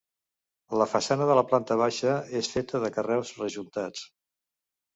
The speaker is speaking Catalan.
La façana de la planta baixa és feta de carreus rejuntats.